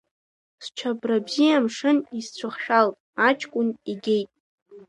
Счабра бзиа амшын исцәыхшәалт, аҷкәын игеит.